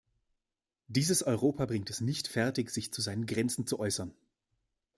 Dieses Europa bringt es nicht fertig, sich zu seinen Grenzen zu äußern.